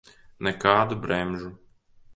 Nekādu bremžu.